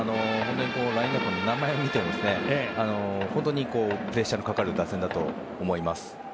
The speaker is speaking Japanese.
ラインアップの名前を見ても本当にプレッシャーのかかる打順だと思います。